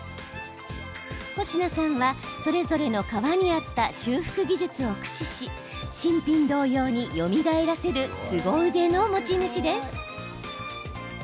保科さんはそれぞれの革に合った修復技術を駆使し新品同様によみがえらせるすご腕の持ち主です。